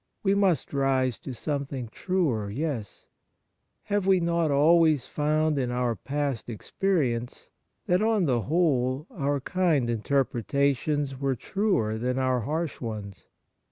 We must rise to something truer. Yes ! Have we not always found in our past experience that on the whole our kind interpretations were truer than our harsh ones